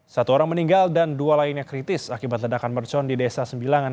satu orang meninggal dan dua lainnya kritis akibat ledakan mercon di desa sembilanan